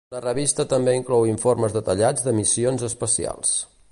La revista també inclou informes detallats de missions espacials.